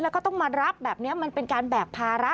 แล้วก็ต้องมารับแบบนี้มันเป็นการแบกภาระ